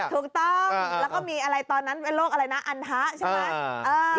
ถูกต้องแล้วก็มีอะไรตอนนั้นเป็นโรคอะไรนะอันทะใช่ไหม